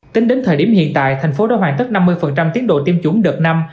tính đến thời điểm hiện tại thành phố đã hoàn tất năm mươi tiến độ tiêm chủng đợt năm